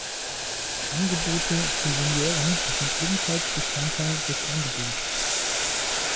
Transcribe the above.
Angebote für Senioren sind ebenfalls Bestandteil des Angebots.